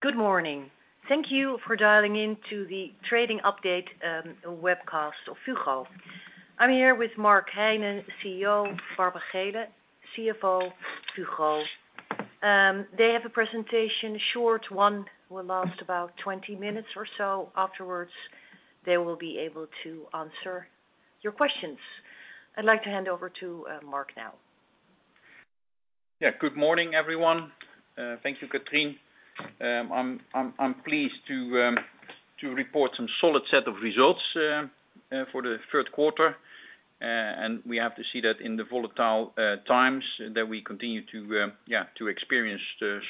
Good morning. Thank you for dialing in to the Trading Update Webcast of Fugro. I'm here with Mark Heine, CEO, Barbara Geelen, CFO, Fugro. They have a presentation, short one, will last about 20 minutes or so. Afterwards, they will be able to answer your questions. I'd like to hand over to Mark now. Good morning, everyone. Thank you, Catrien. I'm pleased to report some solid set of results for the Q3. We have seen that in the volatile times that we continue to experience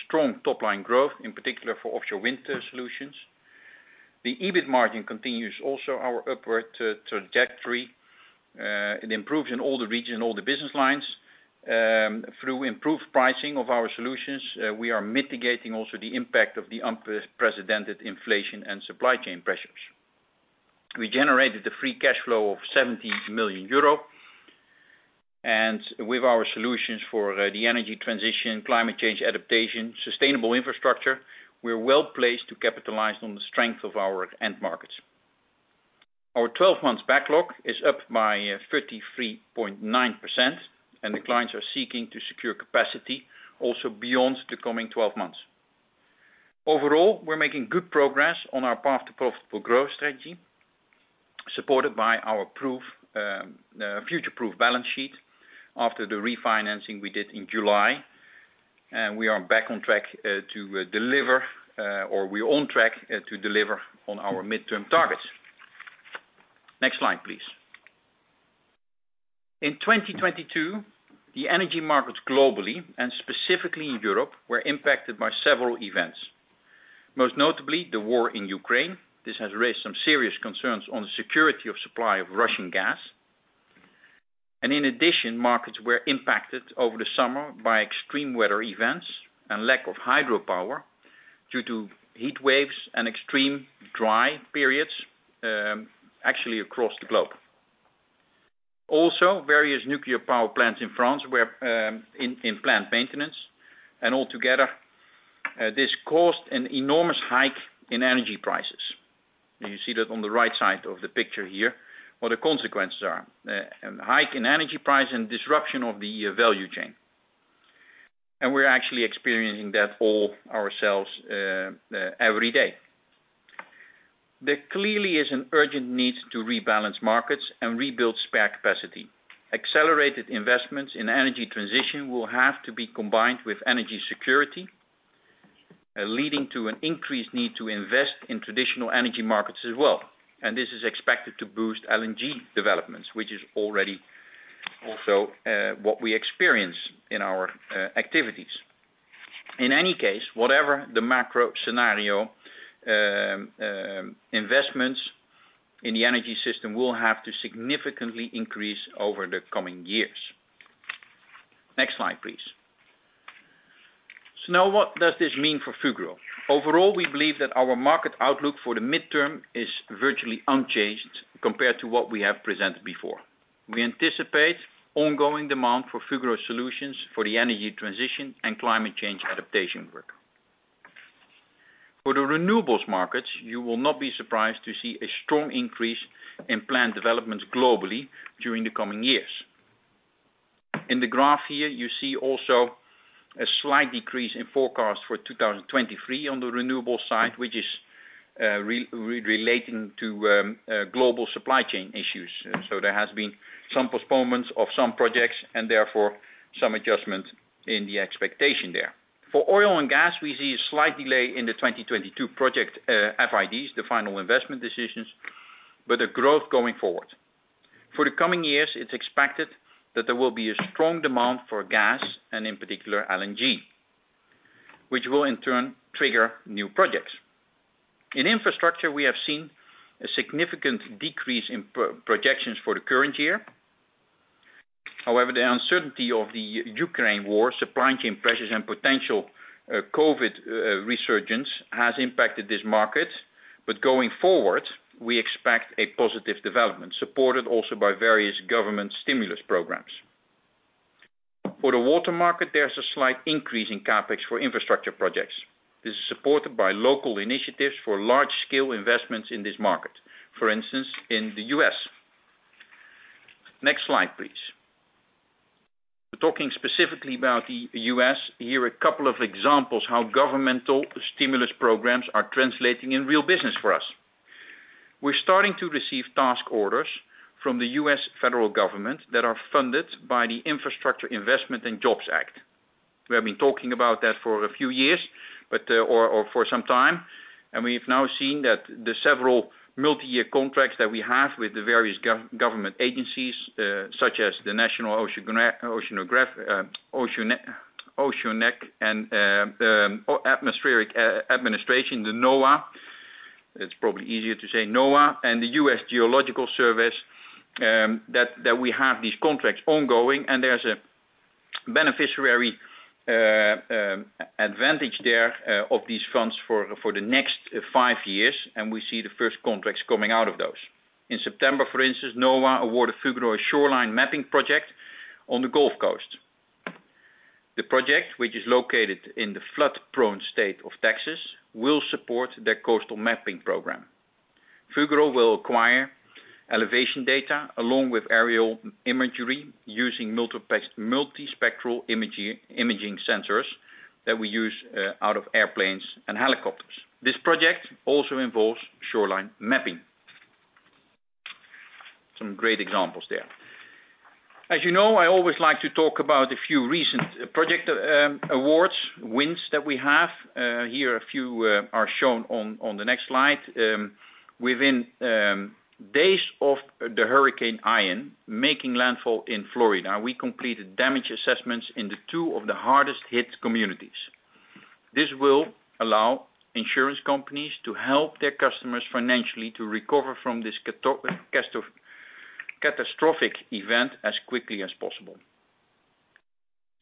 strong top line growth, in particular for offshore wind solutions. The EBIT margin continues on our upward trajectory. It improves in all the regions, all the business lines. Through improved pricing of our solutions, we are mitigating also the impact of the unprecedented inflation and supply chain pressures. We generated free cash flow of 70 million euro, and with our solutions for the energy transition, climate change adaptation, sustainable infrastructure, we're well-placed to capitalize on the strength of our end markets. Our 12-month backlog is up by 33.9%, and the clients are seeking to secure capacity also beyond the coming 12 months. Overall, we're making good progress on our path to profitable growth strategy, supported by our future-proof balance sheet after the refinancing we did in July. We're on track to deliver on our midterm targets. Next slide, please. In 2022, the energy markets globally, and specifically in Europe, were impacted by several events, most notably the war in Ukraine. This has raised some serious concerns on the security of supply of Russian gas. In addition, markets were impacted over the summer by extreme weather events and lack of hydropower due to heat waves and extreme dry periods, actually across the globe. Various nuclear power plants in France were in plant maintenance. Altogether, this caused an enormous hike in energy prices. You see that on the right side of the picture here, what the consequences are. Hike in energy price and disruption of the value chain. We're actually experiencing that all ourselves every day. There clearly is an urgent need to rebalance markets and rebuild spare capacity. Accelerated investments in energy transition will have to be combined with energy security, leading to an increased need to invest in traditional energy markets as well. This is expected to boost LNG developments, which is already also what we experience in our activities. In any case, whatever the macro scenario, investments in the energy system will have to significantly increase over the coming years. Next slide, please. Now what does this mean for Fugro? Overall, we believe that our market outlook for the midterm is virtually unchanged compared to what we have presented before. We anticipate ongoing demand for Fugro solutions for the energy transition and climate change adaptation work. For the renewables markets, you will not be surprised to see a strong increase in plant developments globally during the coming years. In the graph here, you see also a slight decrease in forecast for 2023 on the renewable side, which is relating to global supply chain issues. There has been some postponements of some projects and therefore some adjustment in the expectation there. For oil and gas, we see a slight delay in the 2022 project FIDs, the final investment decisions, but the growth going forward. For the coming years, it's expected that there will be a strong demand for gas and in particular LNG, which will in turn trigger new projects. In infrastructure, we have seen a significant decrease in projections for the current year. However, the uncertainty of the Ukraine war, supply chain pressures, and potential COVID resurgence has impacted this market. Going forward, we expect a positive development, supported also by various government stimulus programs. For the water market, there's a slight increase in CapEx for infrastructure projects. This is supported by local initiatives for large-scale investments in this market, for instance, in the U.S. Next slide, please. We're talking specifically about the U.S. Here are a couple of examples how governmental stimulus programs are translating in real business for us. We're starting to receive task orders from the U.S. federal government that are funded by the Infrastructure Investment and Jobs Act. We have been talking about that for a few years, or for some time, and we've now seen that the several multi-year contracts that we have with the various government agencies, such as the National Oceanic and Atmospheric Administration, the NOAA, it's probably easier to say NOAA, and the United States Geological Survey, that we have these contracts ongoing, and there's a beneficial advantage there of these funds for the next five years, and we see the first contracts coming out of those. In September, for instance, NOAA awarded Fugro a shoreline mapping project on the Gulf Coast. The project, which is located in the flood-prone state of Texas, will support their coastal mapping program. Fugro will acquire elevation data along with aerial imagery using multispectral imaging sensors that we use out of airplanes and helicopters. This project also involves shoreline mapping. Some great examples there. As you know, I always like to talk about a few recent project awards, wins that we have. Here, a few are shown on the next slide. Within days of the Hurricane Ian making landfall in Florida, we completed damage assessments in two of the hardest hit communities. This will allow insurance companies to help their customers financially to recover from this catastrophic event as quickly as possible.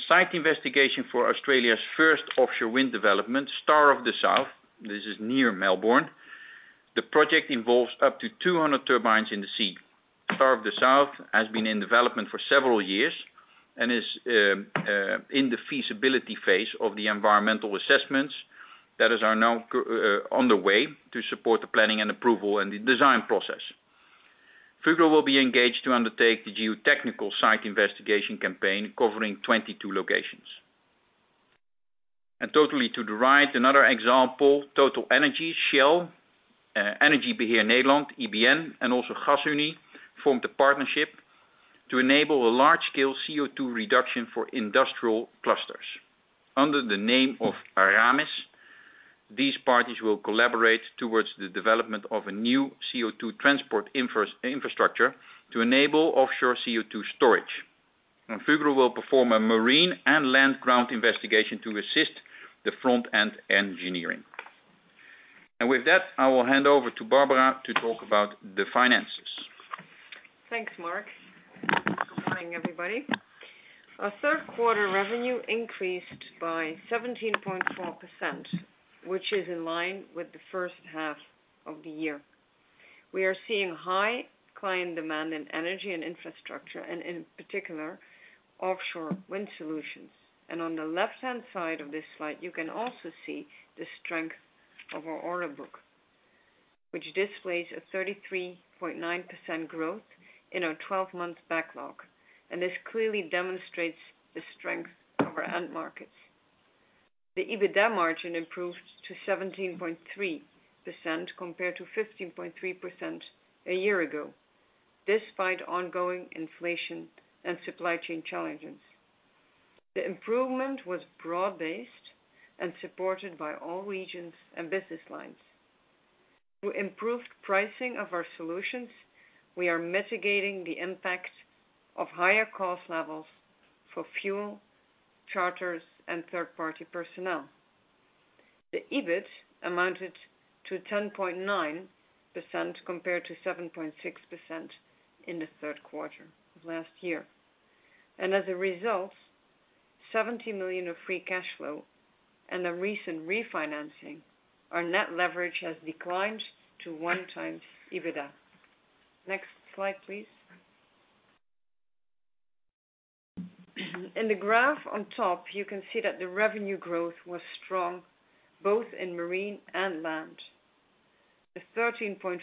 Site investigation for Australia's first offshore wind development, Star of the South. This is near Melbourne. The project involves up to 200 turbines in the sea. Star of the South has been in development for several years and is in the feasibility phase of the environmental assessments that are now on the way to support the planning and approval and the design process. Fugro will be engaged to undertake the geotechnical site investigation campaign covering 22 locations. To the right, another example, TotalEnergies, Shell, Energie Beheer Nederland, EBN, and also Gasunie formed a partnership to enable a large-scale CO2 reduction for industrial clusters. Under the name of Aramis, these parties will collaborate towards the development of a new CO2 transport infrastructure to enable offshore CO2 storage. Fugro will perform a marine and land ground investigation to assist the front-end engineering. With that, I will hand over to Barbara to talk about the finances. Thanks, Mark. Good morning, everybody. Our Q3 revenue increased by 17.4%, which is in line with the first half of the year. We are seeing high client demand in energy and infrastructure, and in particular, offshore wind solutions. On the left-hand side of this slide, you can also see the strength of our order book, which displays a 33.9% growth in our 12-month backlog. This clearly demonstrates the strength of our end markets. The EBITDA margin improved to 17.3% compared to 15.3% a year ago, despite ongoing inflation and supply chain challenges. The improvement was broad-based and supported by all regions and business lines. Through improved pricing of our solutions, we are mitigating the impact of higher cost levels for fuel, charters, and third-party personnel. The EBIT amounted to 10.9% compared to 7.6% in the Q3 of last year. As a result, 70 million of free cash flow and a recent refinancing, our net leverage has declined to 1x EBITDA. Next slide, please. In the graph on top, you can see that the revenue growth was strong both in marine and land. The 13.4%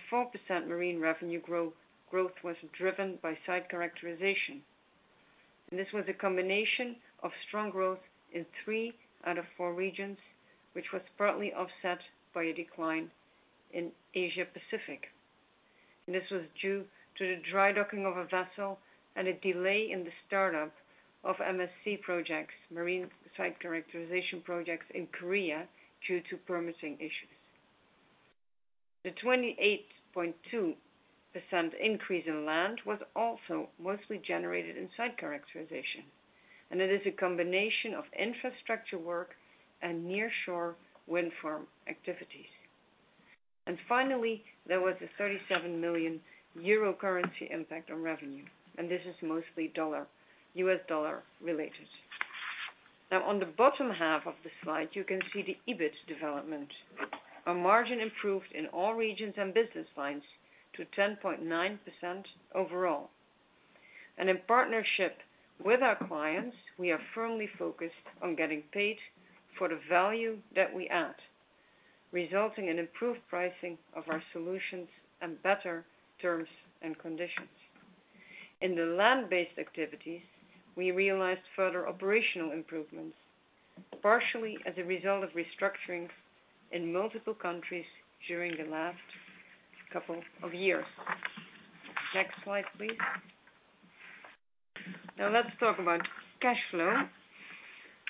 marine revenue growth was driven by site characterization, and this was a combination of strong growth in three out of four regions, which was partly offset by a decline in Asia-Pacific. This was due to the dry docking of a vessel and a delay in the startup of MSC projects, marine site characterization projects in Korea due to permitting issues. The 28.2% increase in land was also mostly generated in site characterization, and it is a combination of infrastructure work and nearshore wind farm activities. Finally, there was a 37 million euro currency impact on revenue, and this is mostly U.S. dollar related. Now, on the bottom half of the slide, you can see the EBIT development. Our margin improved in all regions and business lines to 10.9% overall. In partnership with our clients, we are firmly focused on getting paid for the value that we add, resulting in improved pricing of our solutions and better terms and conditions. In the land-based activities, we realized further operational improvements, partially as a result of restructuring in multiple countries during the last couple of years. Next slide, please. Now let's talk about cash flow.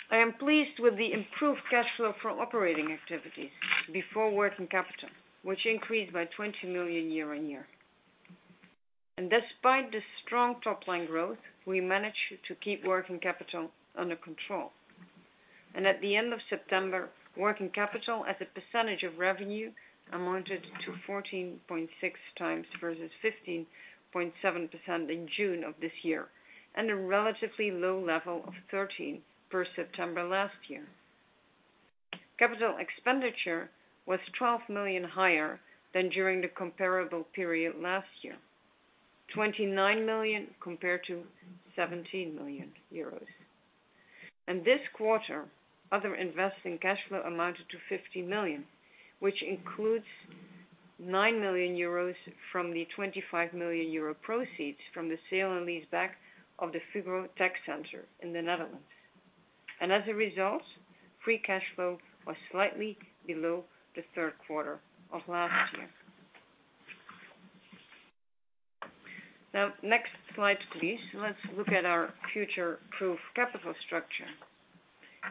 I am pleased with the improved cash flow from operating activities before working capital, which increased by 20 million year-on-year. Despite the strong top-line growth, we managed to keep working capital under control. At the end of September, working capital as a percentage of revenue amounted to 14.6%, versus 15.7% in June of this year, and a relatively low level of 13% in September last year. Capital expenditure was 12 million higher than during the comparable period last year. 29 million compared to 17 million euros. This quarter, other investing cash flow amounted to 50 million, which includes 9 million euros from the 25 million euro proceeds from the sale and lease back of the Fugro TechCenter in the Netherlands. As a result, free cash flow was slightly below the Q3 of last year. Next slide, please. Let's look at our future-proof capital structure.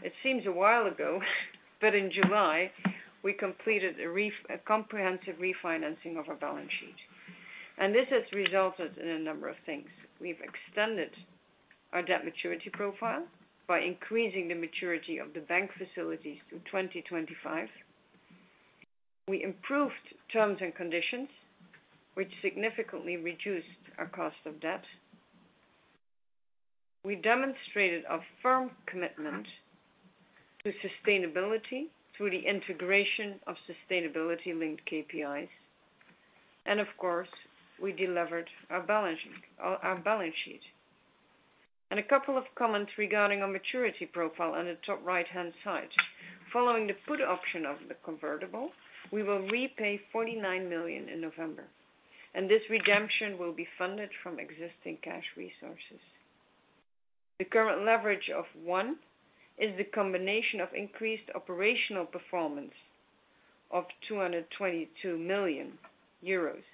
It seems a while ago, but in July, we completed a comprehensive refinancing of our balance sheet, and this has resulted in a number of things. We've extended our debt maturity profile by increasing the maturity of the bank facilities to 2025. We improved terms and conditions, which significantly reduced our cost of debt. We demonstrated a firm commitment to sustainability through the integration of sustainability-linked KPIs. Of course, we delevered our balance sheet. A couple of comments regarding our maturity profile on the top right-hand side. Following the put option of the convertible, we will repay 49 million in November, and this redemption will be funded from existing cash resources. The current leverage of 1 is the combination of increased operational performance of 222 million euros,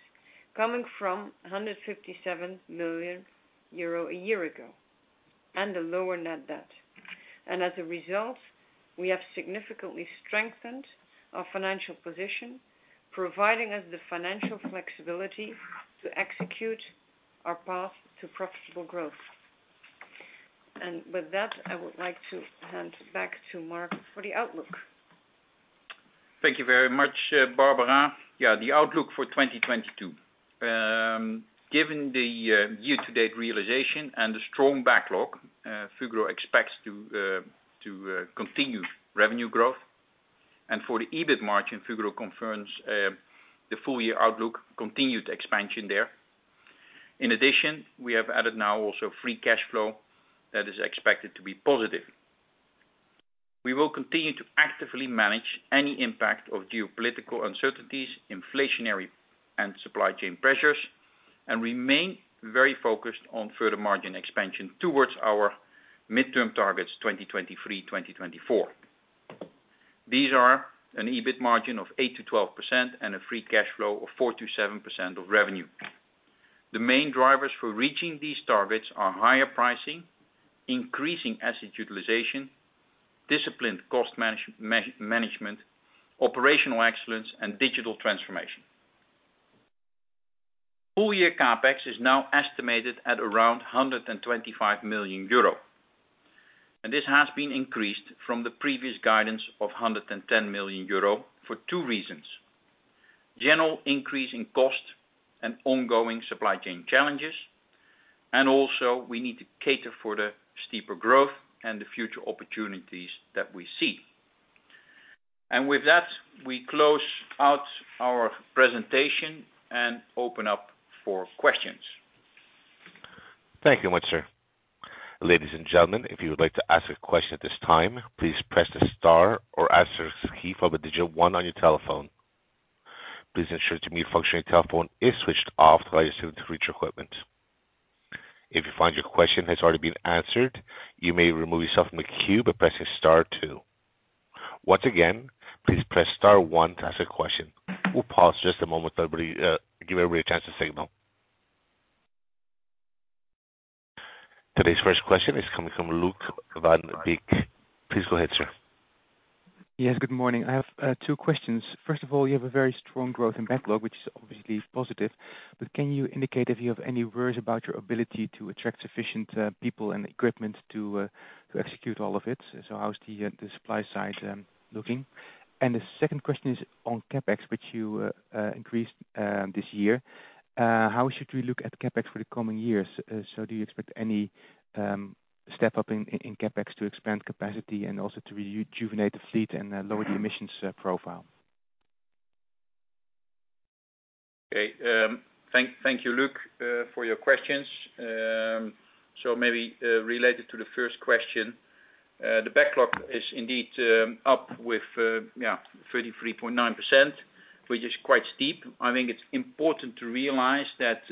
coming from 157 million euro a year ago and a lower net debt. As a result, we have significantly strengthened our financial position, providing us the financial flexibility to execute our path to profitable growth. With that, I would like to hand back to Mark for the outlook. Thank you very much, Barbara. The outlook for 2022. Given the year-to-date realization and the strong backlog, Fugro expects to continue revenue growth. For the EBIT margin, Fugro confirms the full year outlook continued expansion there. In addition, we have added now also free cash flow that is expected to be positive. We will continue to actively manage any impact of geopolitical uncertainties, inflationary and supply chain pressures, and remain very focused on further margin expansion towards our midterm targets, 2023, 2024. These are an EBIT margin of 8%-12% and a free cash flow of 4%-7% of revenue. The main drivers for reaching these targets are higher pricing, increasing asset utilization, disciplined cost management, operational excellence, and digital transformation. Full year CapEx is now estimated at around 125 million euro, and this has been increased from the previous guidance of 110 million euro for two reasons. General increase in cost and ongoing supply chain challenges. We need to cater for the steeper growth and the future opportunities that we see. With that, we close out our presentation and open up for questions. Thank you once again. Ladies and gentlemen, if you would like to ask a question at this time, please press the star or asterisk key followed by the digit one on your telephone. Please ensure the mute function on your telephone is switched off to avoid feedback to reach your equipment. If you find your question has already been answered, you may remove yourself from the queue by pressing star two. Once again, please press star one to ask a question. We'll pause just a moment to everybody, give everybody a chance to signal. Today's first question is coming from Luuk van Beek. Please go ahead, sir. Yes, good morning. I have two questions. First of all, you have a very strong growth in backlog, which is obviously positive. Can you indicate if you have any worries about your ability to attract sufficient people and equipment to execute all of it? How is the supply side looking? The second question is on CapEx, which you increased this year. How should we look at CapEx for the coming years? Do you expect any step up in CapEx to expand capacity and also to rejuvenate the fleet and lower the emissions profile? Okay. Thank you, Luke, for your questions. Maybe related to the first question, the backlog is indeed up with yeah, 33.9%, which is quite steep. I think it's important to realize that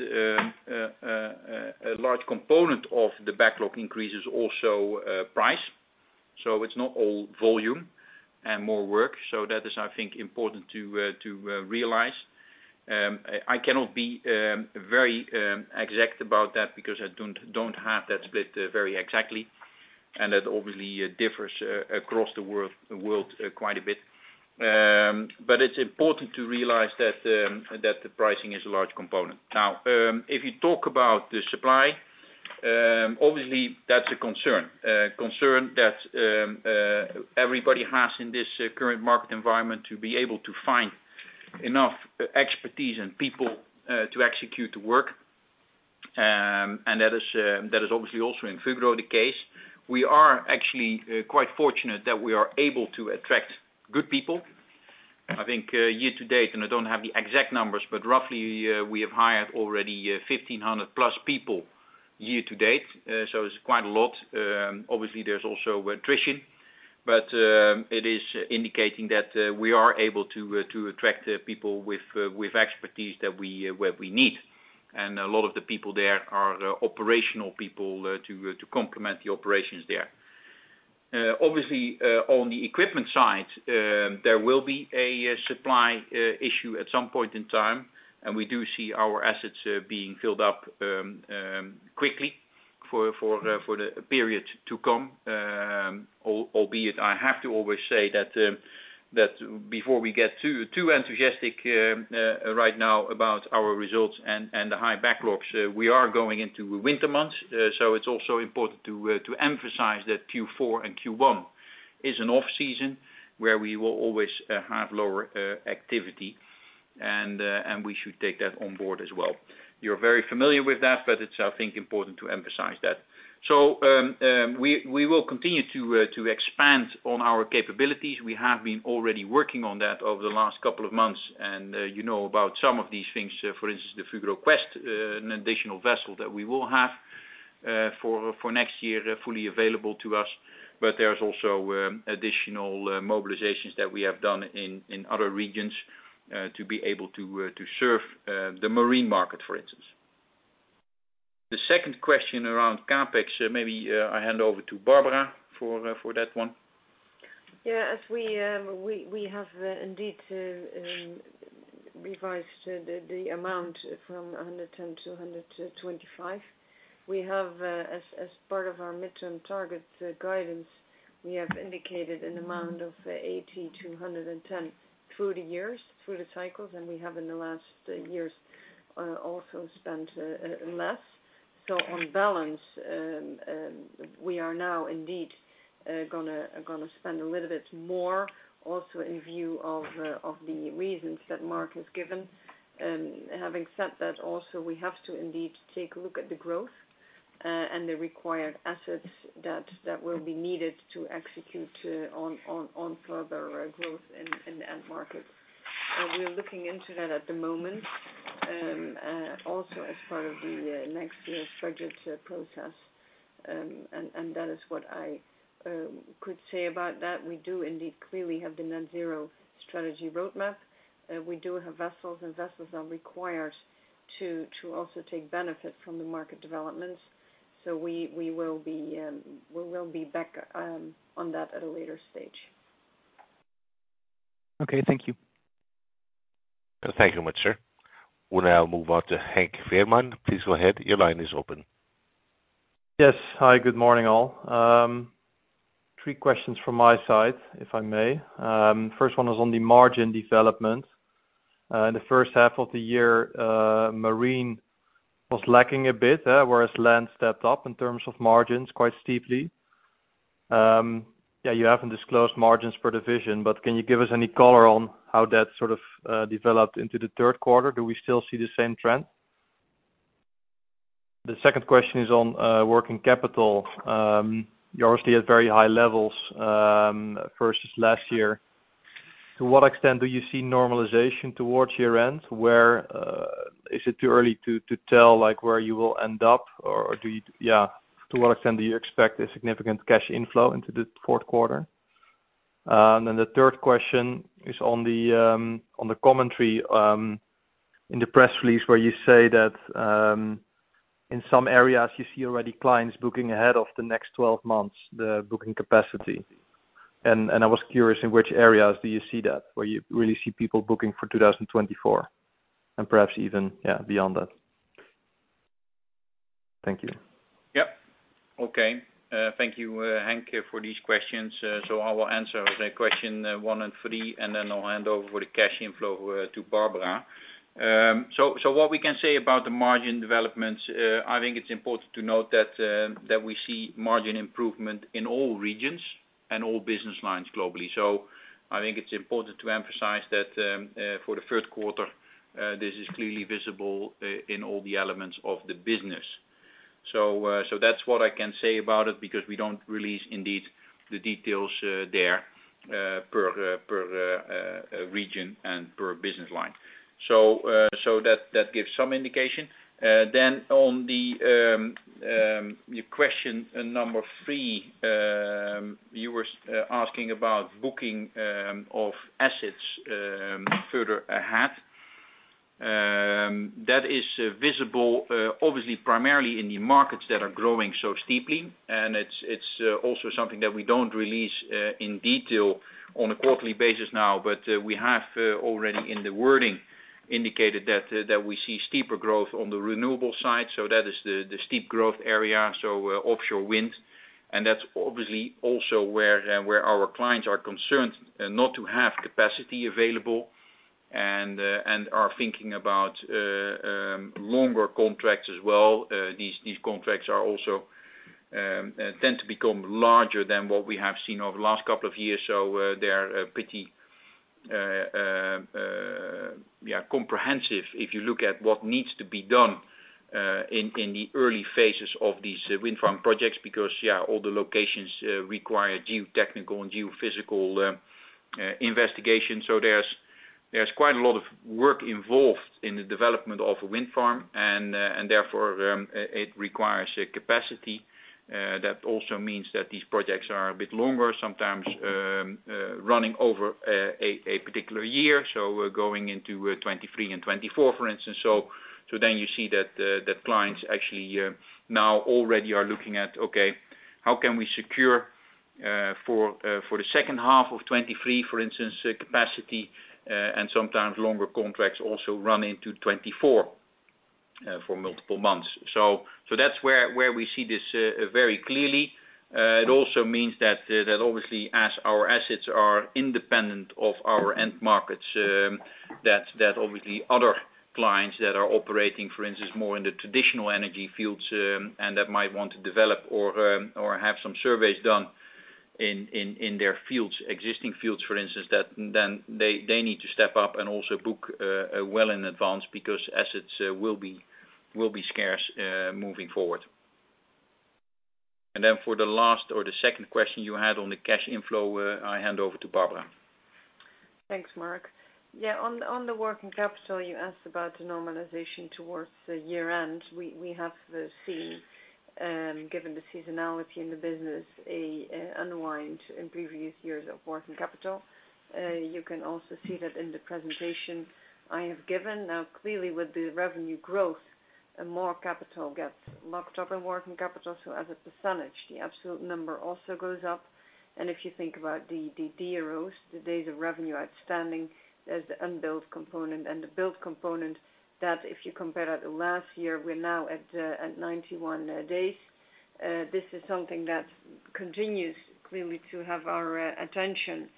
a large component of the backlog increase is also price. It's not all volume and more work. That is, I think, important to realize. I cannot be very exact about that because I don't have that split very exactly, and that obviously differs across the world quite a bit. But it's important to realize that the pricing is a large component. Now, if you talk about the supply, obviously that's a concern. A concern that everybody has in this current market environment to be able to find enough expertise and people to execute the work. That is obviously also in Fugro's case. We are actually quite fortunate that we are able to attract good people. I think year-to-date, and I don't have the exact numbers, but roughly, we have hired already 1,500+ people year-to-date. It's quite a lot. Obviously, there's also attrition, but it is indicating that we are able to attract people with expertise that we need where we need. A lot of the people there are the operational people to complement the operations there. Obviously, on the equipment side, there will be a supply issue at some point in time, and we do see our assets being filled up quickly for the period to come. Albeit, I have to always say that before we get too enthusiastic right now about our results and the high backlogs, we are going into winter months. It's also important to emphasize that Q4 and Q1 is an off season where we will always have lower activity, and we should take that on board as well. You're very familiar with that, but it's, I think, important to emphasize that. We will continue to expand on our capabilities. We have been already working on that over the last couple of months, and you know about some of these things. For instance, the Fugro Quest, an additional vessel that we will have for next year, fully available to us. There's also additional mobilizations that we have done in other regions to be able to to serve the marine market, for instance. The second question around CapEx, maybe, I hand over to Barbara for that one. Yeah. As we have indeed revised the amount from 110 to 125. We have, as part of our midterm target guidance, we have indicated an amount of 80-110 through the years, through the cycles, and we have in the last years also spent less. On balance, we are now indeed gonna spend a little bit more also in view of the reasons that Mark has given. Having said that, also, we have to indeed take a look at the growth and the required assets that will be needed to execute on further growth in the end market. We are looking into that at the moment, also as part of the next year's budget process. That is what I could say about that. We do indeed clearly have the net zero strategy roadmap. We do have vessels, and vessels are required to also take benefit from the market developments. We will be back on that at a later stage. Okay. Thank you. Thank you much, sir. We'll now move on to Henk Veerman. Please go ahead. Your line is open. Yes. Hi, good morning, all. Three questions from my side, if I may. First one was on the margin development. In the first half of the year, marine was lacking a bit, whereas land stepped up in terms of margins quite steeply. Yeah, you haven't disclosed margins per division, but can you give us any color on how that sort of developed into the Q3? Do we still see the same trend? The second question is on working capital. You obviously have very high levels versus last year. To what extent do you see normalization towards year-end? Is it too early to tell like where you will end up? Or do you expect a significant cash inflow into the Q4? The third question is on the commentary in the press release where you say that in some areas you see already clients booking ahead of the next 12 months, the booking capacity. I was curious, in which areas do you see that, where you really see people booking for 2024 and perhaps even yeah, beyond that? Thank you. Yeah. Okay. Thank you, Henk, for these questions. I will answer the question one and three, and then I'll hand over the cash inflow to Barbara. What we can say about the margin developments, I think it's important to note that we see margin improvement in all regions and all business lines globally. I think it's important to emphasize that for the Q3 this is clearly visible in all the elements of the business. That's what I can say about it, because we don't release indeed the details there per region and per business line. That gives some indication. On your question number three, you were asking about booking of assets further ahead. That is visible, obviously primarily in the markets that are growing so steeply. It's also something that we don't release in detail on a quarterly basis now, but we have already in the wording indicated that we see steeper growth on the renewable side. That is the steep growth area, offshore wind. That's obviously also where our clients are concerned not to have capacity available and are thinking about longer contracts as well. These contracts also tend to become larger than what we have seen over the last couple of years. They are pretty comprehensive if you look at what needs to be done in the early phases of these wind farm projects, because all the locations require geotechnical and geophysical investigation. There's quite a lot of work involved in the development of a wind farm, and therefore it requires a capacity. That also means that these projects are a bit longer, sometimes, running over a particular year. We're going into 2023 and 2024, for instance. Then you see that the clients actually now already are looking at okay, how can we secure for the second half of 2023, for instance, capacity, and sometimes longer contracts also run into 2024 for multiple months. That's where we see this very clearly. It also means that obviously as our assets are independent of our end markets, that obviously other clients that are operating, for instance, more in the traditional energy fields, and that might want to develop or have some surveys done in their fields, existing fields, for instance, that then they need to step up and also book well in advance because assets will be scarce moving forward. For the last or the second question you had on the cash inflow, I hand over to Barbara. Thanks, Mark. Yeah, on the working capital, you asked about the normalization towards the year-end. We have seen, given the seasonality in the business, an unwind in previous years of working capital. You can also see that in the presentation I have given. Now, clearly, with the revenue growth and more capital gets locked up in working capital, so as a percentage, the absolute number also goes up. If you think about the DRO, the days of revenue outstanding, there's the unbilled component and the billed component that if you compare that to last year, we're now at 91 days. This is something that continues clearly to have our attention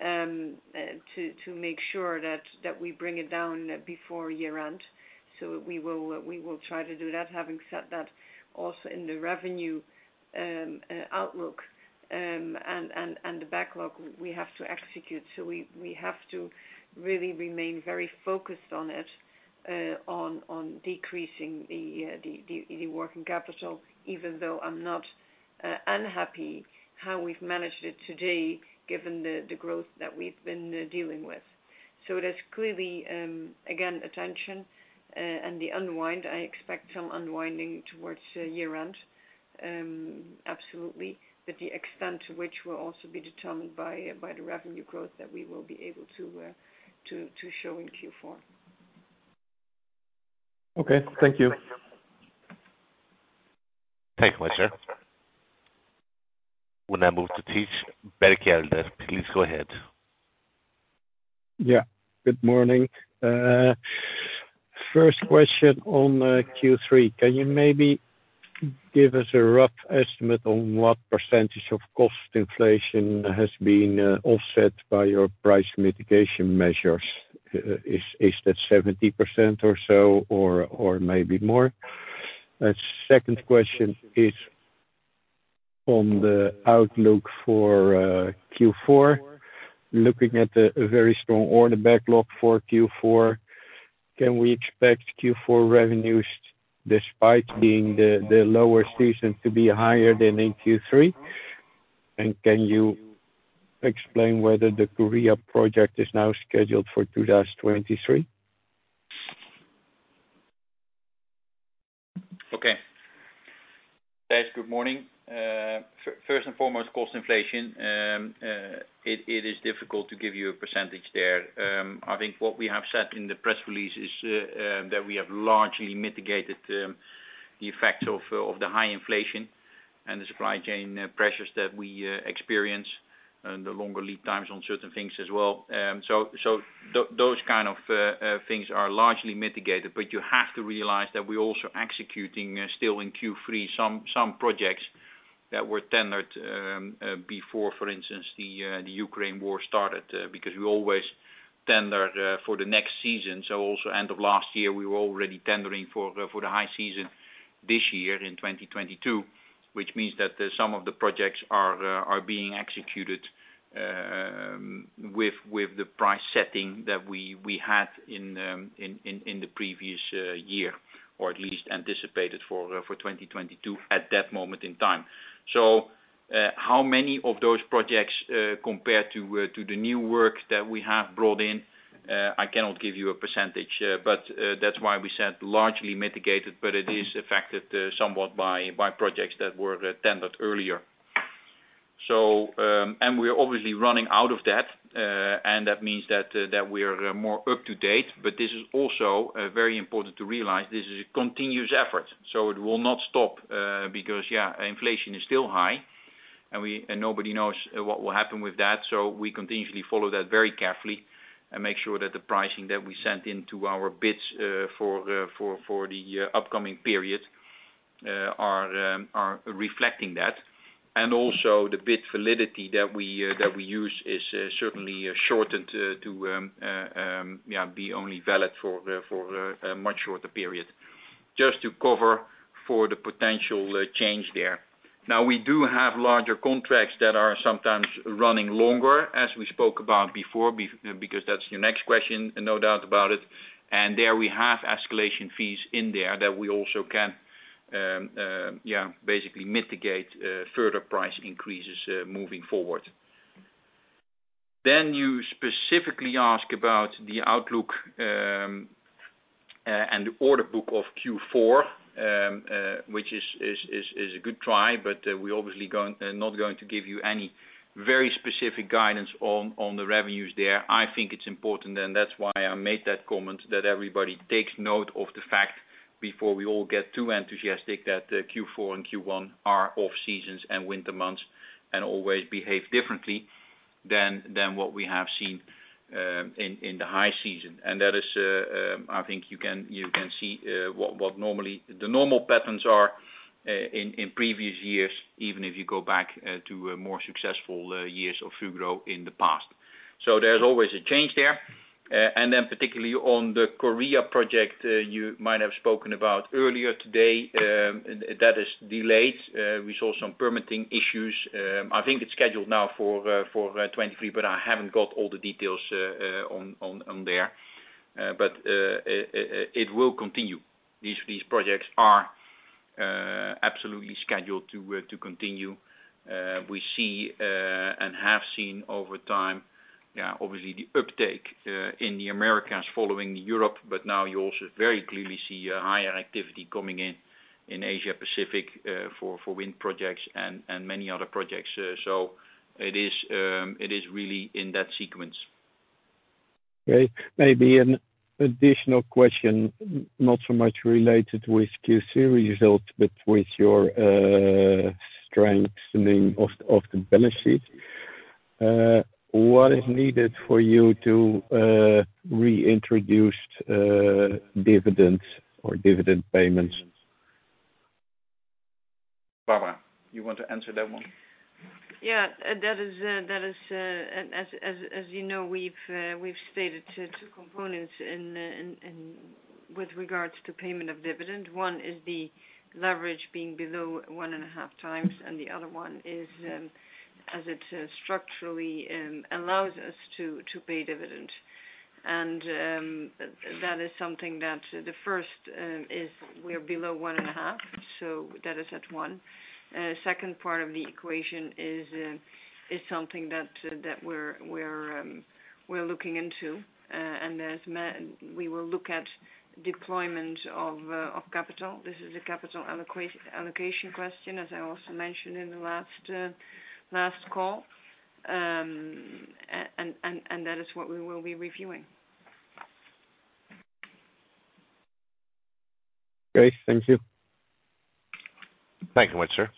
to make sure that we bring it down before year-end. We will try to do that. Having said that, also in the revenue outlook and the backlog we have to execute. We have to really remain very focused on it, on decreasing the working capital, even though I'm not unhappy how we've managed it today, given the growth that we've been dealing with. There's clearly again attention and the unwind. I expect some unwinding towards year-end, absolutely. The extent to which will also be determined by the revenue growth that we will be able to show in Q4. Okay. Thank you. Thank you, [mister]. We now move to Thijs Berkelder. Please go ahead. Yeah, good morning. First question on Q3. Can you maybe give us a rough estimate on what percentage of cost inflation has been offset by your price mitigation measures? Is that 70% or so, or maybe more? Second question is on the outlook for Q4. Looking at the very strong order backlog for Q4, can we expect Q4 revenues, despite being the lower season, to be higher than in Q3? Can you explain whether the Korea project is now scheduled for 2023? Okay. Thijs, good morning. First and foremost, cost inflation. It is difficult to give you a percentage there. I think what we have said in the press release is that we have largely mitigated the effect of the high inflation and the supply chain pressures that we experience, and the longer lead times on certain things as well. Those kind of things are largely mitigated. You have to realize that we're also executing still in Q3 some projects that were tendered before, for instance, the Ukraine war started. Because we always tender for the next season. Also end of last year, we were already tendering for the high season this year in 2022, which means that some of the projects are being executed with the price setting that we had in the previous year, or at least anticipated for 2022 at that moment in time. How many of those projects compared to the new work that we have brought in, I cannot give you a percentage. That's why we said largely mitigated, but it is affected somewhat by projects that were tendered earlier. We're obviously running out of that, and that means that we are more up to date. This is also very important to realize, this is a continuous effort. It will not stop because inflation is still high and nobody knows what will happen with that. We continuously follow that very carefully and make sure that the pricing that we sent into our bids for the upcoming period are reflecting that. Also the bid validity that we use is certainly shortened to be only valid for a much shorter period just to cover for the potential change there. Now, we do have larger contracts that are sometimes running longer, as we spoke about before, because that's your next question, no doubt about it, and there we have escalation fees in there that we also can basically mitigate further price increases moving forward. You specifically ask about the outlook and the order book of Q4, which is a good try, but we're obviously not going to give you any very specific guidance on the revenues there. I think it's important, and that's why I made that comment, that everybody takes note of the fact before we all get too enthusiastic that Q4 and Q1 are off seasons and winter months and always behave differently than what we have seen in the high season. That is, I think you can see what normally the normal patterns are in previous years, even if you go back to a more successful years of Fugro in the past. There's always a change there. Particularly on the Korea project, you might have spoken about earlier today, that is delayed. We saw some permitting issues. I think it's scheduled now for 2023, but I haven't got all the details on there. It will continue. These projects are absolutely scheduled to continue. We see and have seen over time, yeah, obviously the uptake in the Americas following Europe, but now you also very clearly see a higher activity coming in in Asia-Pacific for wind projects and many other projects. It is really in that sequence. Okay. Maybe an additional question, not so much related with Q3 results, but with your strengthening of the balance sheet. What is needed for you to reintroduce dividends or dividend payments? Barbara, you want to answer that one? That is, as you know, we've stated two components with regards to payment of dividend. One is the leverage being below 1.5x, and the other one is, as it structurally allows us to pay dividend. That is something that the first is we are below 1.5x, so that is at 1x. Second part of the equation is something that we're looking into, and we will look at deployment of capital. This is a capital allocation question, as I also mentioned in the last call. That is what we will be reviewing. Great. Thank you. Thank you very much, sir.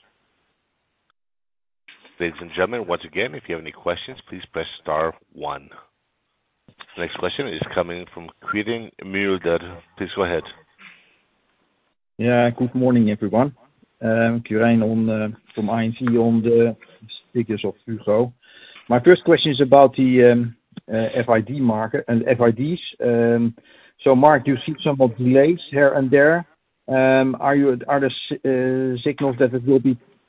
Ladies and gentlemen, once again, if you have any questions, please press star one. Next question is coming from Quirijn Mulder. Please go ahead. Yeah. Good morning, everyone. Quirijn Mulder from ING on the figures of Fugro. My first question is about the FID market and FIDs. So Mark, you see some delays here and there. Are there signals that it will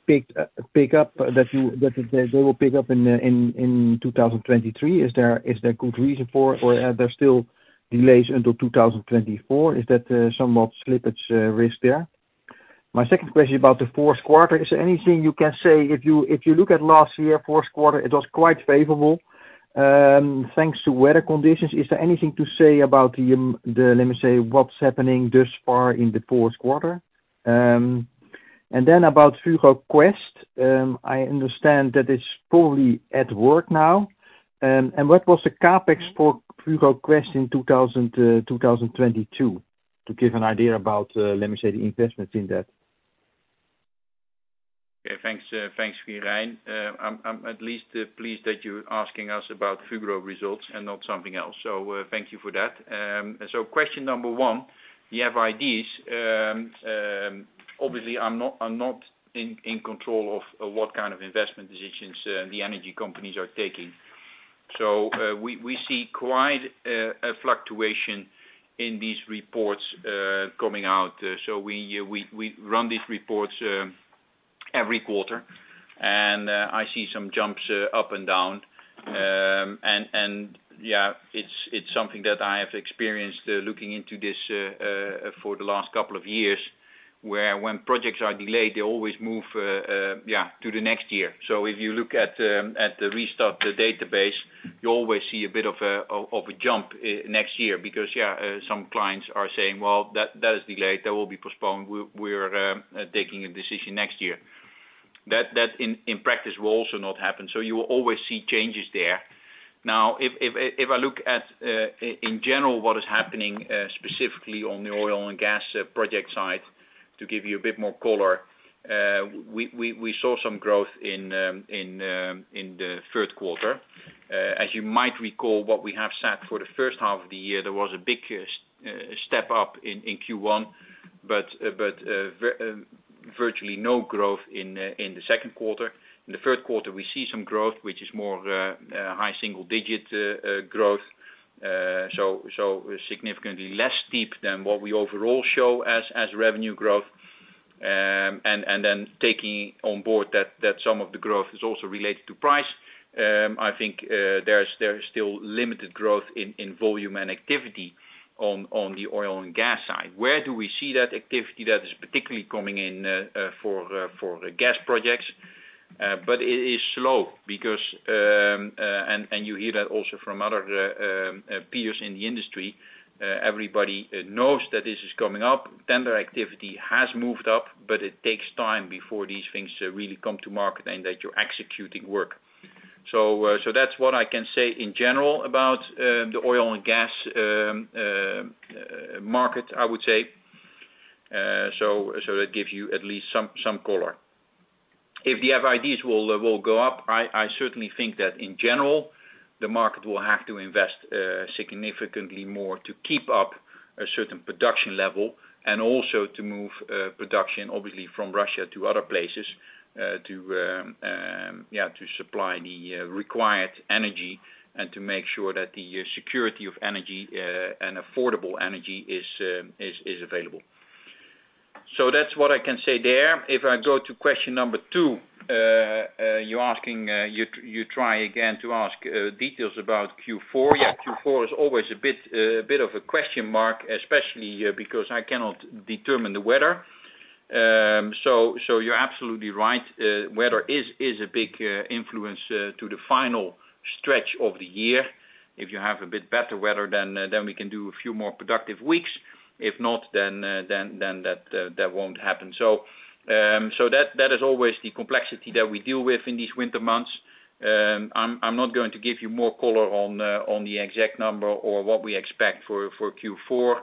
pick up, that they will pick up in 2023? Is there good reason for or are there still delays until 2024? Is that somewhat slippage risk there? My second question about the Q4. Is there anything you can say? If you look at last year, Q4, it was quite favorable, thanks to weather conditions. Is there anything to say about the, let me say, what's happening thus far in the Q4? About Fugro Quest, I understand that it's fully at work now. What was the CapEx for Fugro Quest in 2022 to give an idea about, let me say, the investments in that? Yeah. Thanks, Quirijn. I'm at least pleased that you're asking us about Fugro results and not something else. Thank you for that. Question number one, the FIDs, obviously I'm not in control of what kind of investment decisions the energy companies are taking. We see quite a fluctuation in these reports coming out. We run these reports every quarter and I see some jumps up and down. Yeah, it's something that I have experienced looking into this for the last couple of years, where when projects are delayed, they always move to the next year. If you look at the Rystad database, you always see a bit of a jump next year because, yeah, some clients are saying, "Well, that is delayed, that will be postponed. We're taking a decision next year." That in practice will also not happen. You will always see changes there. Now, if I look in general, what is happening, specifically on the oil and gas project side, to give you a bit more color, we saw some growth in the Q3. As you might recall, what we said for the first half of the year, there was a big step up in Q1. Virtually no growth in the Q2. In the Q3, we see some growth, which is more high single digit growth. Significantly less steep than what we overall show as revenue growth. Then taking on board that some of the growth is also related to price. I think there's still limited growth in volume and activity on the oil and gas side. Where do we see that activity that is particularly coming in for the gas projects? It is slow because you hear that also from other peers in the industry. Everybody knows that this is coming up. Tender activity has moved up, but it takes time before these things really come to market and that you're executing work. That's what I can say in general about the oil and gas market, I would say. That gives you at least some color. If the FIDs will go up, I certainly think that in general, the market will have to invest significantly more to keep up a certain production level and also to move production, obviously, from Russia to other places, to supply the required energy and to make sure that the security of energy and affordable energy is available. That's what I can say there. If I go to question number two, you're trying again to ask details about Q4. Yeah, Q4 is always a bit of a question mark, especially, because I cannot determine the weather. You're absolutely right. Weather is a big influence to the final stretch of the year. If you have a bit better weather, then we can do a few more productive weeks. If not, then that won't happen. That is always the complexity that we deal with in these winter months. I'm not going to give you more color on the exact number or what we expect for Q4.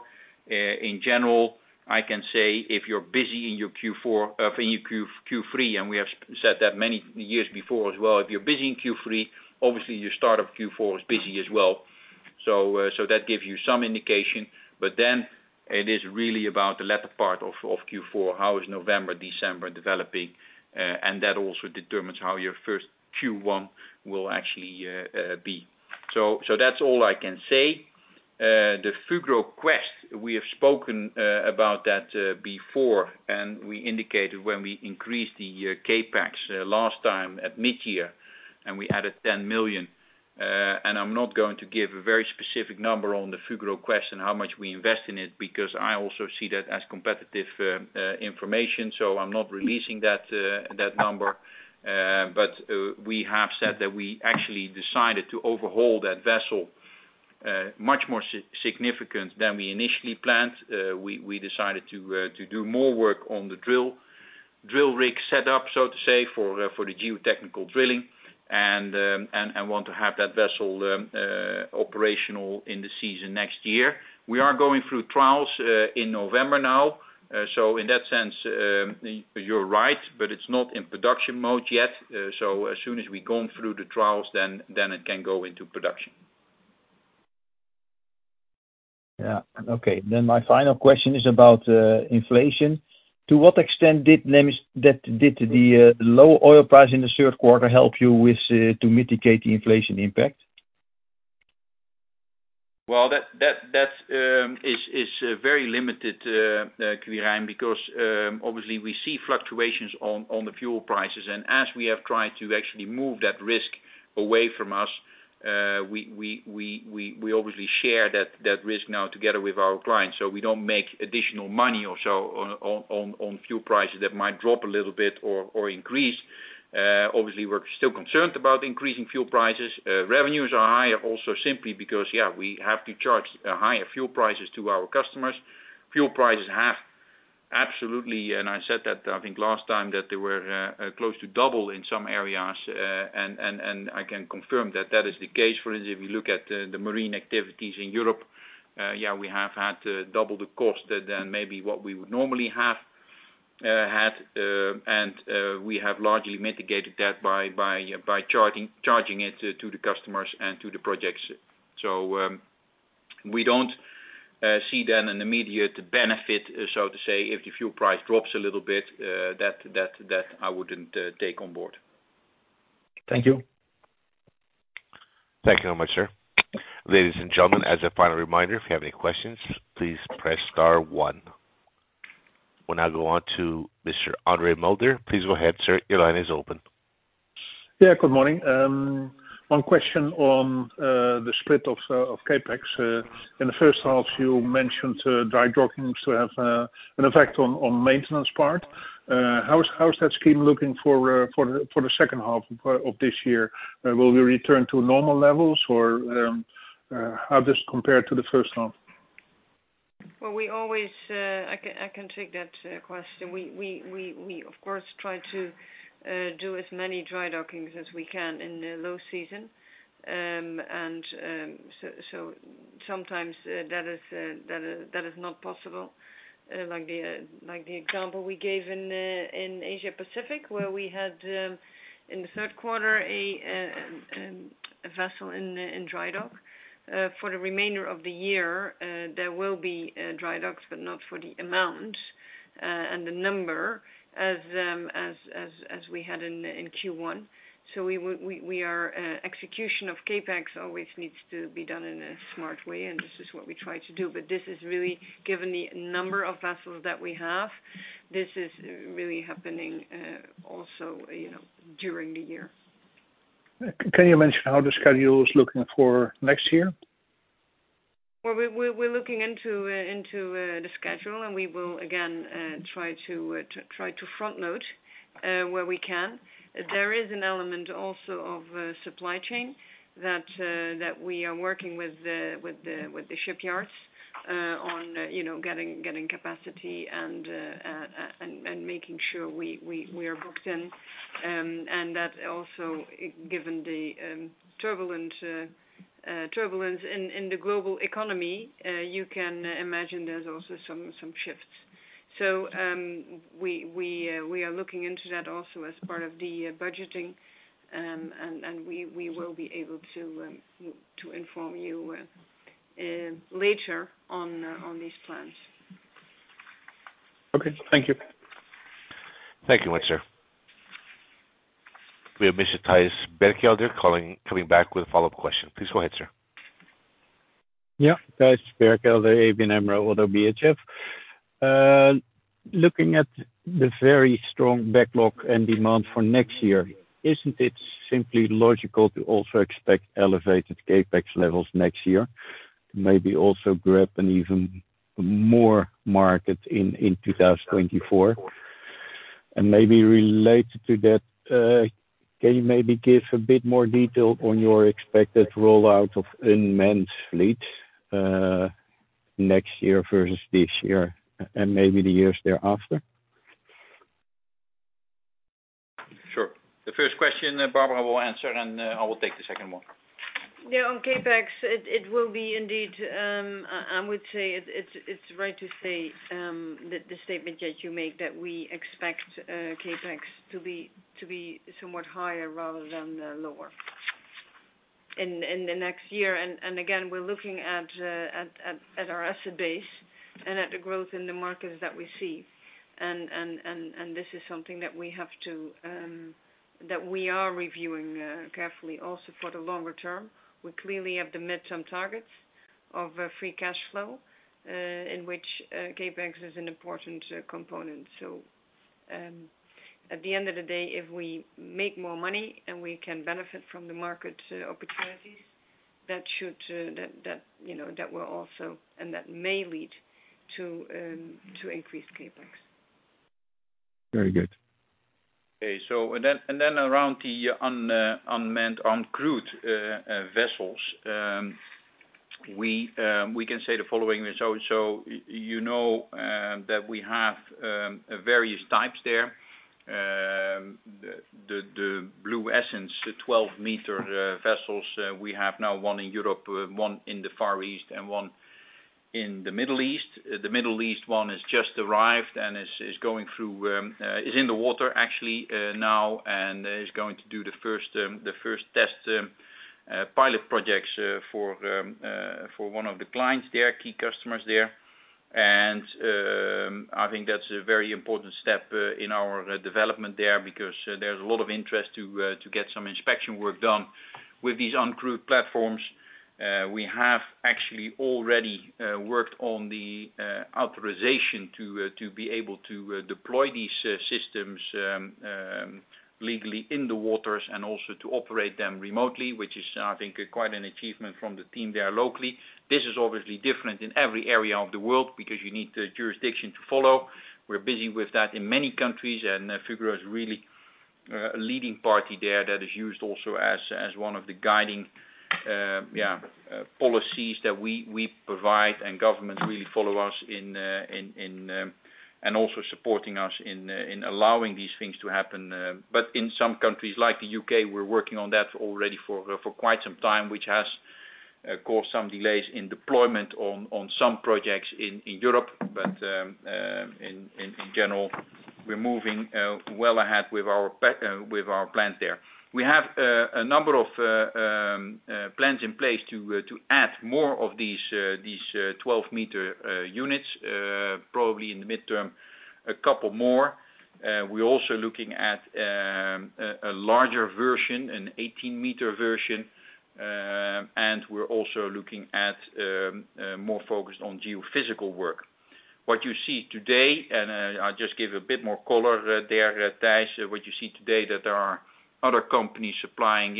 In general, I can say if you're busy in your Q4 in your Q3 and we have said that many years before as well if you're busy in Q3 obviously your start of Q4 is busy as well. That gives you some indication. Then it is really about the latter part of Q4 how is November December developing and that also determines how your first Q1 will actually be. That's all I can say. The Fugro Quest we have spoken about that before and we indicated when we increased the CapEx last time at mid-year and we added 10 million. I'm not going to give a very specific number on the Fugro Quest and how much we invest in it because I also see that as competitive information. I'm not releasing that number. We have said that we actually decided to overhaul that vessel much more significant than we initially planned. We decided to do more work on the drill rig set up, so to say, for the geotechnical drilling and want to have that vessel operational in the season next year. We are going through trials in November now. In that sense, you're right, but it's not in production mode yet. As soon as we've gone through the trials, it can go into production. Yeah. Okay. My final question is about inflation. To what extent did the low oil price in the Q3 help you with to mitigate the inflation impact? That is very limited, Quirijn, because obviously we see fluctuations on the fuel prices. As we have tried to actually move that risk away from us, we obviously share that risk now together with our clients. We don't make additional money or so on fuel prices that might drop a little bit or increase. Obviously, we're still concerned about increasing fuel prices. Revenues are higher also simply because we have to charge higher fuel prices to our customers. Fuel prices have absolutely, and I said that I think last time, that they were close to double in some areas, and I can confirm that that is the case. For instance, if you look at the marine activities in Europe, we have had double the cost than maybe what we would normally have had, and we have largely mitigated that by charging it to the customers and to the projects. We don't see then an immediate benefit, so to say, if the fuel price drops a little bit, that I wouldn't take on board. Thank you. Thank you very much, sir. Ladies and gentlemen, as a final reminder, if you have any questions, please press star one. We'll now go on to Mr. Andre Mulder. Please go ahead, sir. Your line is open. Yeah, good morning. One question on the split of CapEx. In the first half, you mentioned dry dockings to have an effect on maintenance part. How's that scheme looking for the second half of this year? Will we return to normal levels or how does this compare to the first half? Well, I can take that question. We of course try to do as many dry dockings as we can in the low season. Sometimes that is not possible. Like the example we gave in Asia-Pacific, where we had in the Q3 a vessel in dry dock. For the remainder of the year, there will be dry docks, but not for the amount and the number as we had in Q1. Execution of CapEx always needs to be done in a smart way, and this is what we try to do. This is really given the number of vessels that we have, this is really happening, also, you know, during the year. Can you mention how the schedule is looking for next year? Well, we're looking into the schedule, and we will again try to front load where we can. There is an element also of supply chain that we are working with the shipyards on, you know, getting capacity and making sure we are booked in. That also given the turbulence in the global economy, you can imagine there's also some shifts. We're looking into that also as part of the budgeting, and we will be able to inform you later on these plans. Okay. Thank you. Thank you. We have Mr. Thijs Berkelder calling, coming back with a follow-up question. Please go ahead, sir. Yeah. Thijs Berkelder, ABN AMRO - ODDO BHF. Looking at the very strong backlog and demand for next year, isn't it simply logical to also expect elevated CapEx levels next year, maybe also grab an even more market in 2024? Maybe related to that, can you maybe give a bit more detail on your expected rollout of unmanned fleet, next year versus this year, and maybe the years thereafter? Sure. The first question, Barbara will answer, and I will take the second one. On CapEx, it will be indeed, I would say it's right to say that the statement that you make that we expect CapEx to be somewhat higher rather than lower in the next year. Again, we're looking at our asset base and at the growth in the markets that we see. This is something that we are reviewing carefully also for the longer term. We clearly have the midterm targets of free cash flow in which CapEx is an important component. At the end of the day, if we make more money and we can benefit from the market opportunities, that should, you know, that will also and that may lead to increased CapEx. Very good. Around the uncrewed vessels, we can say the following. You know that we have various types there. The Blue Essence, the 12-meter vessels we have now one in Europe, one in the Far East, and one in the Middle East. The Middle East one has just arrived and is in the water actually now and is going to do the first test pilot projects for one of the key customers there. I think that's a very important step in our development there because there's a lot of interest to get some inspection work done with these uncrewed platforms. We have actually already worked on the authorization to be able to deploy these systems legally in the waters and also to operate them remotely, which is I think quite an achievement from the team there locally. This is obviously different in every area of the world because you need the jurisdiction to follow. We're busy with that in many countries, and Fugro is really a leading party there that is used also as one of the guiding policies that we provide and governments really follow us in and also supporting us in allowing these things to happen. In some countries like the UK, we're working on that already for quite some time, which has caused some delays in deployment on some projects in Europe. In general, we're moving well ahead with our plan there. We have a number of plans in place to add more of these 12-meter units, probably in the midterm, a couple more. We're also looking at a larger version, an 18-meter version, and we're also looking at more focused on geophysical work. What you see today, I'll just give a bit more color there, Thijs. What you see today is that there are other companies supplying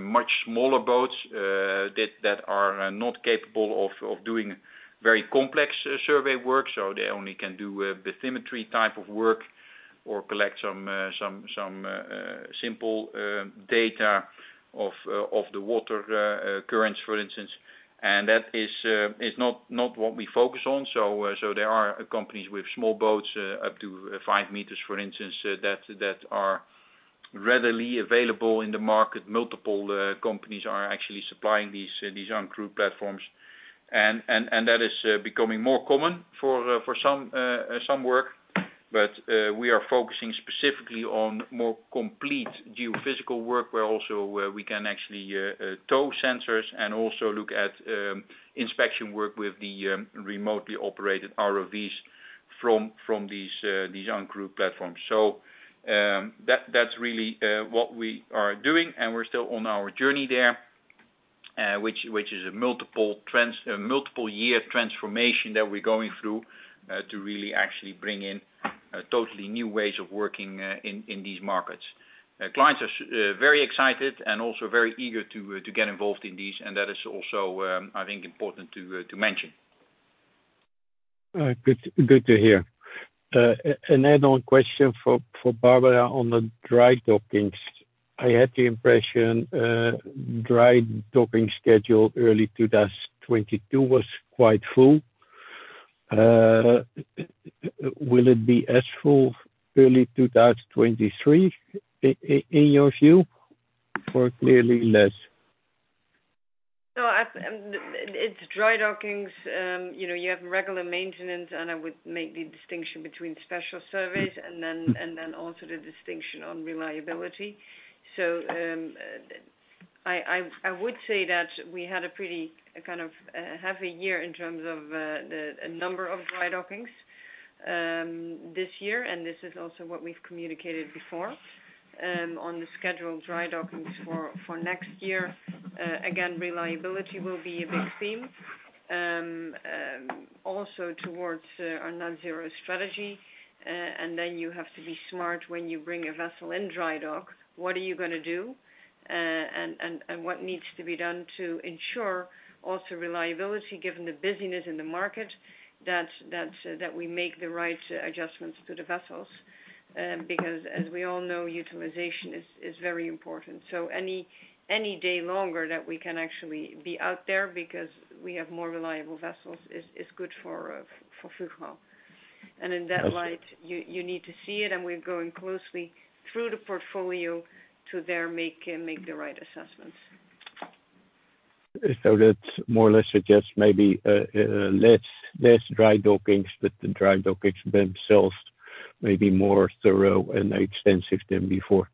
much smaller boats that are not capable of doing very complex survey work, so they only can do a bathymetry type of work or collect some simple data of the water currents, for instance. That is not what we focus on. There are companies with small boats up to 5 m, for instance, that are readily available in the market. Multiple companies are actually supplying these uncrewed platforms. That is becoming more common for some work. We are focusing specifically on more complete geophysical work where also we can actually tow sensors and also look at inspection work with the remotely operated ROVs from these on-crew platforms. That's really what we are doing, and we're still on our journey there, which is a multiple year transformation that we're going through to really actually bring in totally new ways of working in these markets. Clients are very excited and also very eager to get involved in these, and that is also, I think, important to mention. Good to hear. An add-on question for Barbara on the dry docking. I had the impression dry docking schedule early 2022 was quite full. Will it be as full early 2023 in your view, or clearly less? No, it's dry dockings, you know, you have regular maintenance, and I would make the distinction between special surveys and then. Mm-hmm. Then also the distinction on reliability. I would say that we had a pretty kind of half a year in terms of a number of dry dockings this year, and this is also what we've communicated before. On the scheduled dry dockings for next year, again, reliability will be a big theme. Also towards our net zero strategy. Then you have to be smart when you bring a vessel in dry dock, what are you gonna do? And what needs to be done to ensure also reliability, given the busyness in the market, that we make the right adjustments to the vessels, because as we all know, utilization is very important. Any day longer that we can actually be out there because we have more reliable vessels is good for Fugro. Understood. In that light, you need to see it, and we're going closely through the portfolio to there make the right assessments. That more or less suggests maybe less dry dockings, but the dry dockings themselves may be more thorough and extensive than before.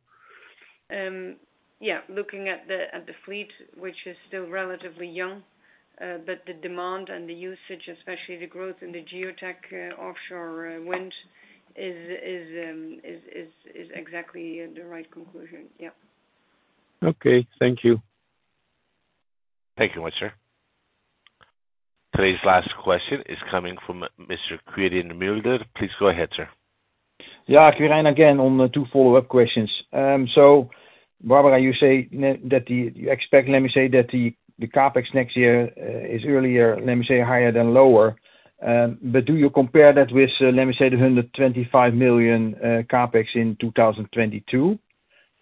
Yeah. Looking at the fleet, which is still relatively young, but the demand and the usage, especially the growth in the geotech offshore wind is exactly the right conclusion. Yeah. Okay. Thank you. Thank you much, sir. Today's last question is coming from Mr. Quirijn Mulder. Please go ahead, sir. Yeah, Quirijn again, on the two follow-up questions. So Barbara, you say that you expect, let me say that the CapEx next year is earlier, let me say higher than lower. But do you compare that with, let me say the 125 million CapEx in 2022,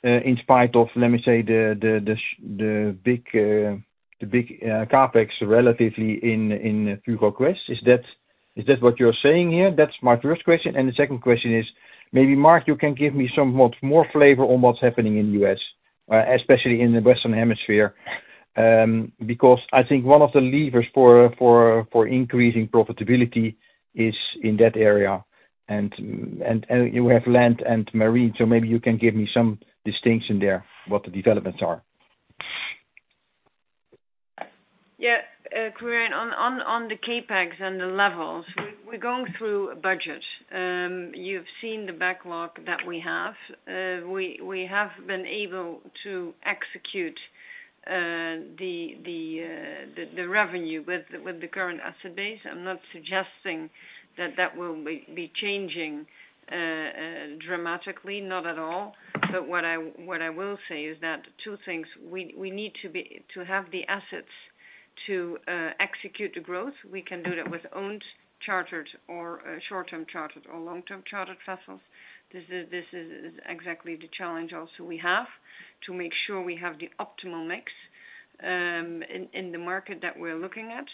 in spite of, let me say the big CapEx relatively in Fugro Quest? Is that what you're saying here? That's my first question. The second question is, maybe Mark, you can give me some more flavor on what's happening in U.S., especially in the Western Hemisphere. Because I think one of the levers for increasing profitability is in that area. You have land and marine, so maybe you can give me some distinction there, what the developments are? Yeah. Quirijn on the CapEx and the levels, we're going through a budget. You've seen the backlog that we have. We have been able to execute the revenue with the current asset base. I'm not suggesting that will be changing dramatically. Not at all. What I will say is that two things, we need to have the assets to execute the growth. We can do that with owned, chartered or short-term chartered or long-term chartered vessels. This is exactly the challenge we also have to make sure we have the optimal mix in the market that we're looking at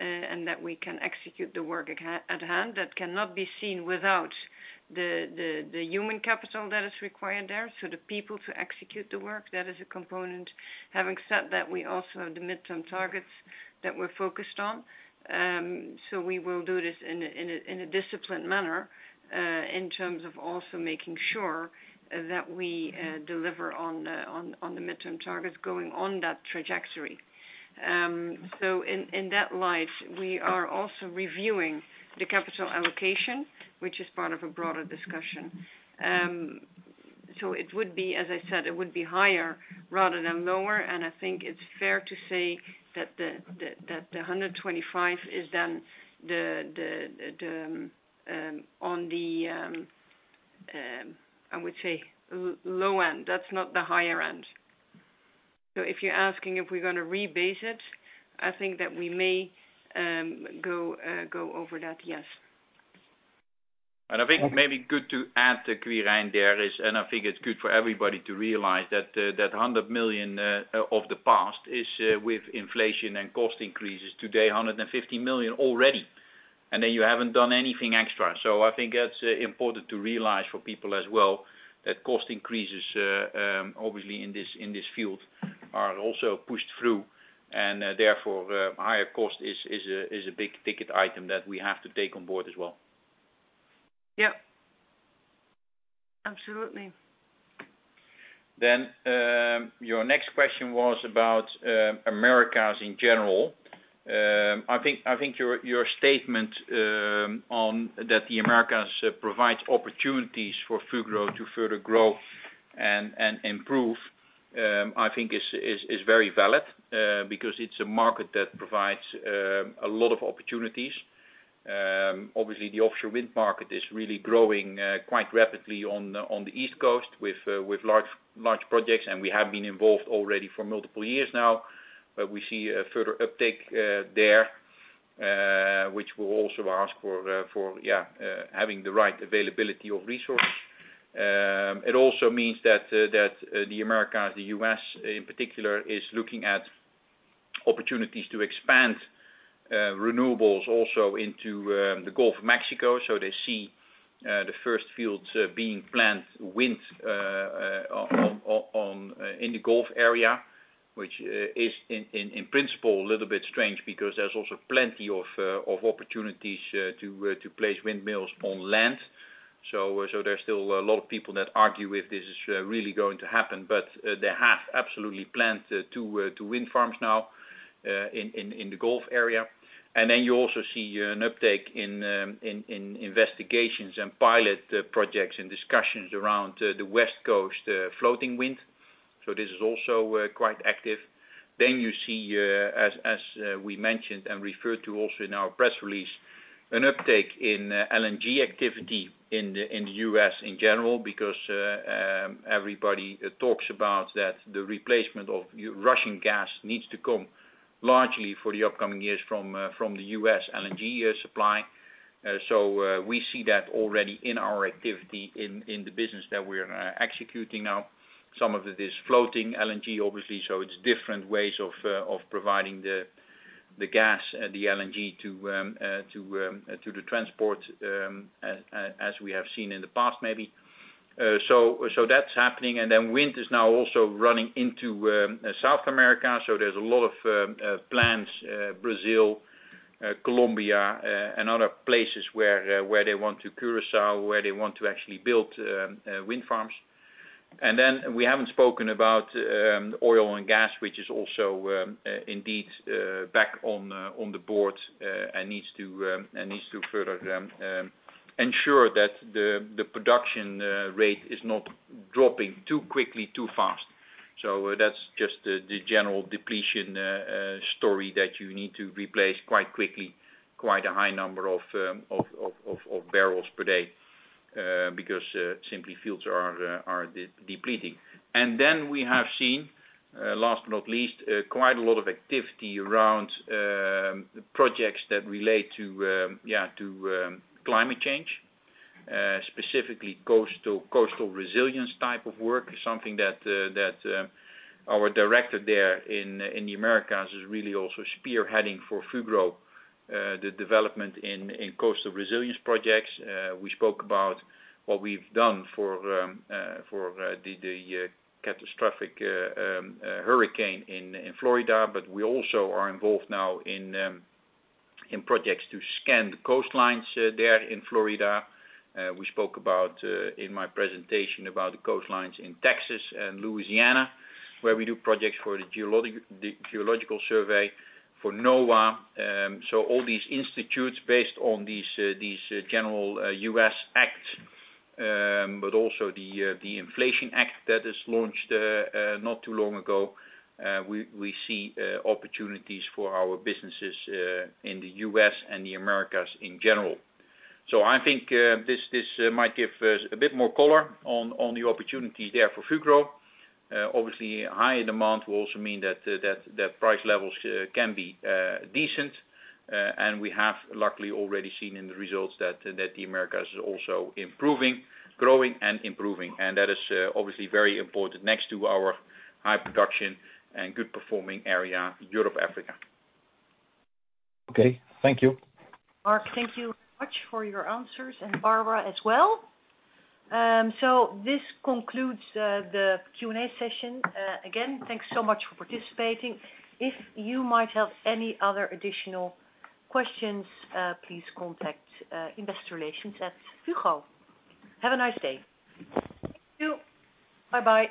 and that we can execute the work at hand. That cannot be seen without the human capital that is required there. The people to execute the work, that is a component. Having said that, we also have the midterm targets that we're focused on. We will do this in a disciplined manner, in terms of also making sure that we deliver on the midterm targets going on that trajectory. In that light, we are also reviewing the capital allocation, which is part of a broader discussion. It would be, as I said, higher rather than lower, and I think it's fair to say that the EUR 125 is then the low end. That's not the higher end. If you're asking if we're gonna rebase it, I think that we may go over that, yes. I think maybe good to add to Quirijn, and I think it's good for everybody to realize that that 100 million of the past is with inflation and cost increases today 150 million already. You haven't done anything extra. I think that's important to realize for people as well, that cost increases obviously in this field are also pushed through, and therefore higher cost is a big ticket item that we have to take on board as well. Yeah. Absolutely. Your next question was about Americas in general. I think your statement on that the Americas provides opportunities for Fugro to further grow and improve I think is very valid, because it's a market that provides a lot of opportunities. Obviously the offshore wind market is really growing quite rapidly on the East Coast with large projects, and we have been involved already for multiple years now. We see a further uptake there, which will also ask for having the right availability of resources. It also means that the Americas, the U.S. in particular, is looking at opportunities to expand renewables also into the Gulf of Mexico. They see the first fields being planned wind offshore in the Gulf area, which is in principle a little bit strange because there's also plenty of opportunities to place windmills on land. There's still a lot of people that argue if this is really going to happen. They have absolutely planned two wind farms now in the Gulf area. Then you also see an uptake in investigations and pilot projects and discussions around the West Coast floating wind. This is also quite active. You see, as we mentioned and referred to also in our press release, an uptake in LNG activity in the U.S. in general, because everybody talks about that the replacement of Russian gas needs to come largely for the upcoming years from the U.S. LNG supply. So we see that already in our activity in the business that we're executing now. Some of it is floating LNG, obviously, so it's different ways of providing the gas and the LNG to the transport, as we have seen in the past, maybe. So that's happening. And then wind is now also running into South America. There's a lot of plans, Brazil, Colombia, and other places where they want to, Curaçao, where they want to actually build wind farms. Then we haven't spoken about oil and gas, which is also indeed back on the board, and needs to further ensure that the production rate is not dropping too quickly, too fast. That's just the general depletion story that you need to replace quite quickly, quite a high number of barrels per day, because simply fields are depleting. We have seen, last but not least, quite a lot of activity around projects that relate to climate change, specifically coastal resilience type of work. Something that our director there in the Americas is really also spearheading for Fugro, the development in coastal resilience projects. We spoke about what we've done for the catastrophic hurricane in Florida, but we also are involved now in projects to scan the coastlines there in Florida. We spoke about, in my presentation, about the coastlines in Texas and Louisiana, where we do projects for the Geological Survey for NOAA. All these incentives based on these general U.S. acts, but also the Inflation Reduction Act that is launched not too long ago. We see opportunities for our businesses in the U.S. and the Americas in general. I think this might give a bit more color on the opportunity there for Fugro. Obviously higher demand will also mean that price levels can be decent. We have luckily already seen in the results that the Americas is also improving, growing and improving. That is obviously very important next to our high production and good performing area, Europe, Africa. Okay. Thank you. Mark, thank you much for your answers and Barbara as well. This concludes the Q&A session. Again, thanks so much for participating. If you might have any other additional questions, please contact Investor Relations at Fugro. Have a nice day. Thank you. Bye-bye.